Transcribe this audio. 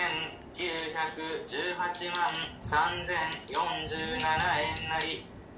２９１８万３０４７円なり。